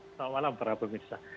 selamat malam para pemirsa